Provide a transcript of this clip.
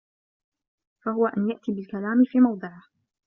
فَهُوَ أَنْ يَأْتِيَ بِالْكَلَامِ فِي مَوْضِعِهِ